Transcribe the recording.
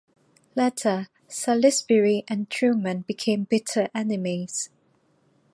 Later, Salisbury and Truman became bitter enemies.